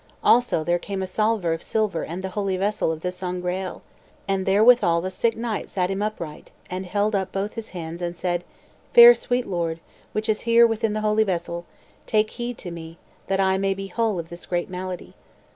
Also there came a salver of silver and the holy vessel of the Sangreal; and therewithal the sick knight sat him upright, and held up both his hands, and said, "Fair, sweet Lord, which is here within the holy vessel, take heed to me, that I may be whole of this great malady."